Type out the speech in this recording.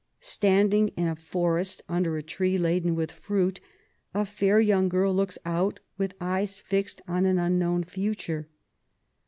Standing in a forest, under a tree laden with fruit, a fair young girl looks out with eyes fixed on an unknown future.